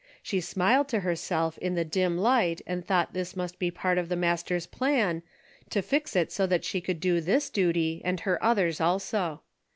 She smiled to herself in the dim light and thought this must be part of the Master's plan, to fix it so that she could do this duty and her others also.